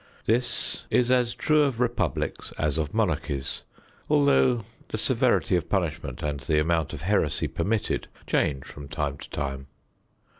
This is as true of republics as of monarchies, although the severity of punishment and the amount of heresy permitted change from time to time.